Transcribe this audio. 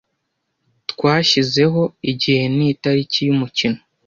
Twashyizeho igihe nitariki yumukino.